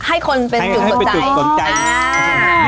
ให้คนเป็นสูตรหก่อนใจ